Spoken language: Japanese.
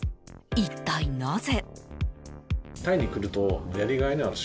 一体、なぜ？